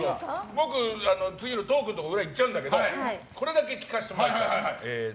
僕、トークの時に裏に行っちゃうんだけどこれだけ聞かせてもらいたい。